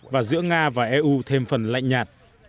và giữa nga và eu thêm phần lạnh nhạt